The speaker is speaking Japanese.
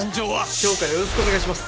今日からよろしくお願いします。